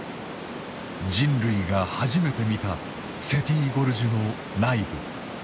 人類が初めて見たセティ・ゴルジュの内部。